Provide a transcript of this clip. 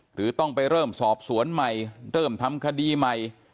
หรือต้องไปเริ่มสอบสวนใหม่เริ่มทำคดีใหม่